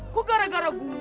kok gara gara gue